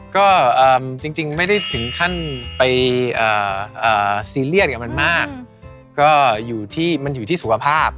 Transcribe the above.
ก็จริงไม่ได้ถึงขั้นไปซีเรียสกับมันมากก็อยู่ที่มันอยู่ที่สุขภาพ